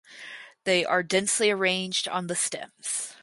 They are densely arranged on the stems.